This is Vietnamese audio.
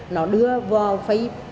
nó đưa vào facebook